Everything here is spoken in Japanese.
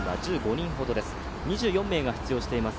２４名が出場しています